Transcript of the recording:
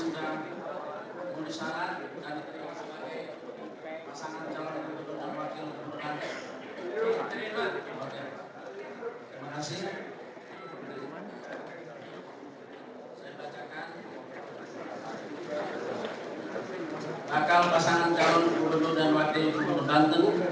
bakal pasangan calon gubernur dan wakil gubernur banten